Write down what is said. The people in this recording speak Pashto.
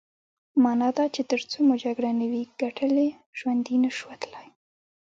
مانا دا چې ترڅو مو جګړه نه وي ګټلې ژوندي نه شو وتلای.